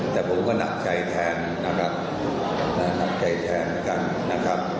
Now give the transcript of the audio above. แต่ผมก็หนักใจแทนนะครับหนักใจแทนแล้วกันนะครับ